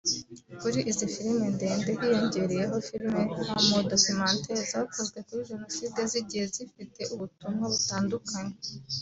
Kuri izi filimi ndende hiyongeraho filimi-mpamo (Documentaires) zakozwe kuri Jenoside zigiye zifite umutumwa butandukanye